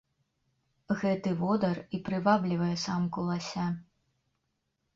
Гэты водар і прываблівае самку лася.